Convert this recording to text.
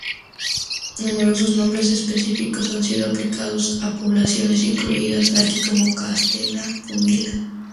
Numerosos nombres específicos han sido aplicados a poblaciones incluidas aquí como "Castanea pumila".